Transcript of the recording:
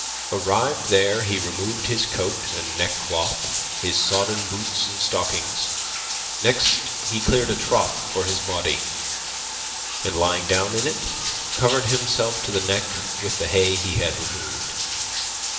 Arrived there, he removed his coat and neckcloth, his sodden boots and stockings. Next he cleared a trough for his body, and lying down in it, covered himself to the neck with the hay he had removed.